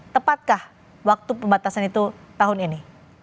tepatkah waktu pembatasan itu tahun ini